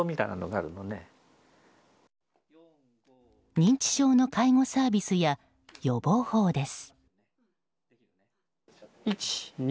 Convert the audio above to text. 認知症の介護サービスや予防法です。